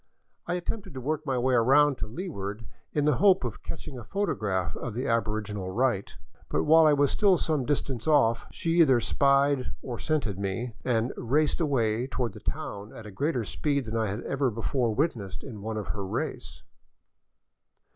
I attempted to work my way around to leeward in the hope of catching a photograph of the aboriginal rite. But while I was still some distance off, she either spied or scented me, and raced away toward the town at a greater speed than I had ever before wit nessed in one of her race.